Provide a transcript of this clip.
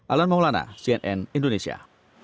alan maulana cnn indonesia